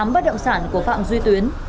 tám bất động sản của phạm duy tuyến